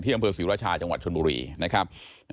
อำเภอศรีราชาจังหวัดชนบุรีนะครับ